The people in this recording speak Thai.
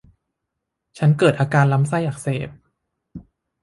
ฉันเกิดอาการลำไส้อักเสบ